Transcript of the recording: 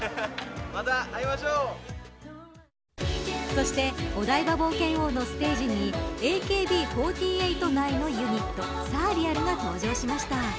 そしてお台場冒険王のステージにＡＫＢ４８内のユニットＳＵＲＲＥＡＬが登場しました。